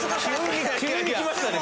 急にきましたね